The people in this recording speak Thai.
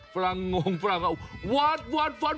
ฝรั่งงงฝรั่งวาดวาดวาดฝาด